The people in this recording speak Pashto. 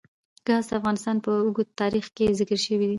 ګاز د افغانستان په اوږده تاریخ کې ذکر شوی دی.